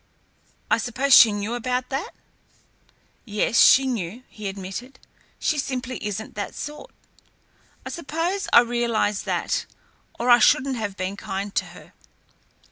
I suppose she knew about that?" "Yes, she knew," he admitted. "She simply isn't that sort. I suppose I realised that, or I shouldn't have been kind to her."